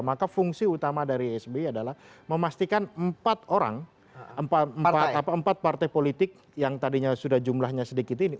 maka fungsi utama dari sby adalah memastikan empat orang empat partai politik yang tadinya sudah jumlahnya sedikit ini